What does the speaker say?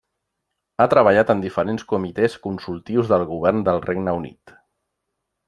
Ha treballat en diferents comitès consultius del govern del Regne Unit.